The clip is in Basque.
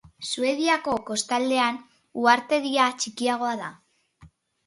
Suediako kostaldean uhartedia txikiagoa da.